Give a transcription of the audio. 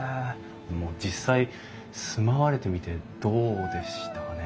実際住まわれてみてどうでしたかね？